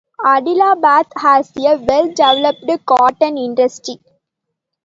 Adilabad has a well-developed cotton industry.